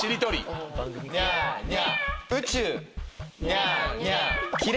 ニャーニャー。